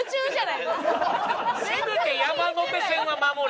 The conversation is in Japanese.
せめて山手線は守れよ。